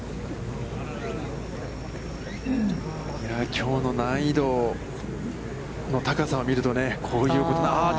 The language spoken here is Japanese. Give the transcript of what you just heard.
きょうの難易度の高さを見るとね、こういうことが。